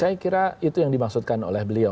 saya kira itu yang dimaksudkan oleh beliau